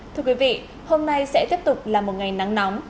thưa quý vị hôm nay sẽ tiếp tục là một ngày nắng nóng